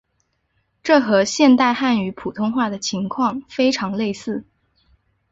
这和现代汉语普通话的情况非常类似。